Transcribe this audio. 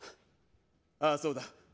ああ、そうだ。